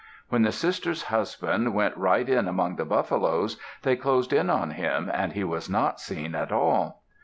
When the sister's husband went right in among the buffaloes, they closed in on him and he was not seen at all.